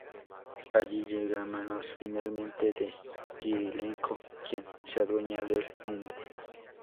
Allí llega a manos finalmente de Kirilenko quien se adueña del mundo.